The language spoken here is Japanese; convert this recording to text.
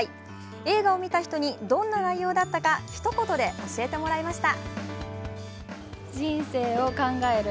映画を見た人にどんな内容だったかひと言で教えてもらいました。